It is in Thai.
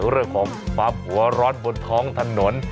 เรื่องของความหัวร้อนบนท้องถนน